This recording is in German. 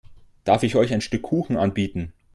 Darf ich euch ein Stück Kuchen anbieten?